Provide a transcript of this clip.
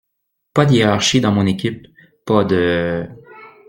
Pas de hiérarchie dans mon équipe, pas de…